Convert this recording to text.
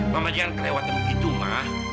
mama jangan kelewatan begitu ma